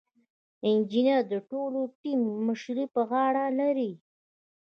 انجینر د ټول ټیم مشري په غاړه لري.